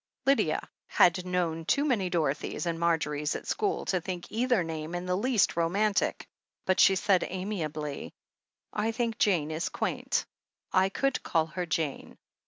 Lydia had known too many Dorothys and Margerys at school to think either name in the least romantic, but she said amiably : "I think Jane is quaint. I could call her Jane."